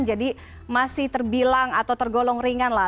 jadi masih terbilang atau tergolong ringan lah